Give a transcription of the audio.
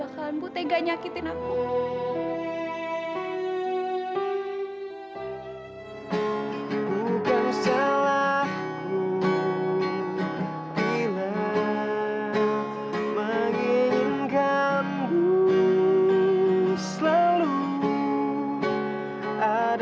kayak aku lagi kesel